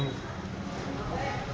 nah kita coba lihat